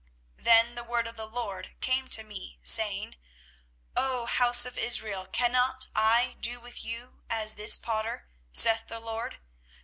24:018:005 Then the word of the LORD came to me, saying, 24:018:006 O house of Israel, cannot I do with you as this potter? saith the LORD.